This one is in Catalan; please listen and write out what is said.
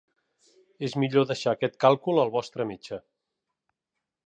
És millor deixar aquest càlcul al vostre metge.